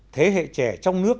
thế hệ trẻ trong nước